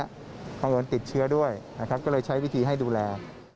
บางอย่างติดเชื้อด้วยก็เลยใช้วิธีให้ดูแล